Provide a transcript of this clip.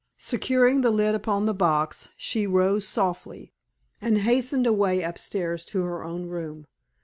Securing the lid upon the box, she rose softly, and hastened away upstairs to her own room.